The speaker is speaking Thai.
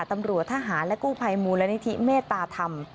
ตำรวจทหารและกู้ภัยมูลนิธิเมตตาธรรม